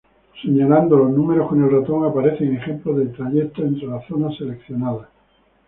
Señalando los números con el ratón aparecerán ejemplos de trayectos entre las zonas seleccionadas.